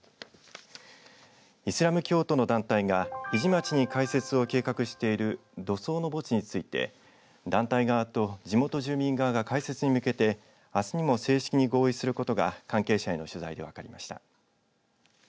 イスラム教徒の団体が日出町に開設を計画している土葬の墓地について団体側と地元住民側が開設に向けてあすにも正式に合意することが関係者への取材で分かりました。